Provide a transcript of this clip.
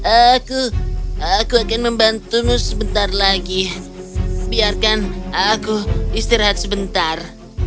aku aku akan membantumu sebentar lagi biarkan aku istirahat sebentar